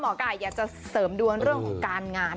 ไก่อยากจะเสริมดวงเรื่องของการงาน